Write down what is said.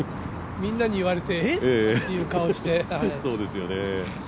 みんなに言われて「え？」っていう顔をして。